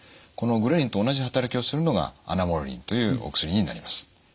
このグレリンと同じ働きをするのがアナモレリンというお薬になります。